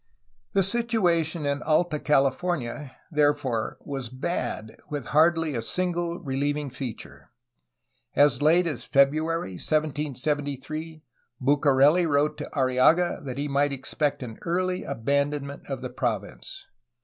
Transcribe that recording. The situation in Alta California, therefore, was bad, with hardly a single reheving feature. As late as February 1773 Bucareli wrote to Arriaga that he might expect an early abandonment of the province.